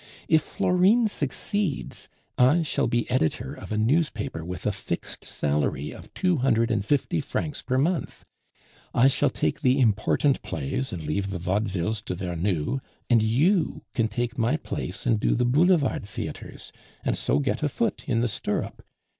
If Florine succeeds, I shall be editor of a newspaper with a fixed salary of two hundred and fifty francs per month; I shall take the important plays and leave the vaudevilles to Vernou, and you can take my place and do the Boulevard theatres, and so get a foot in the stirrup.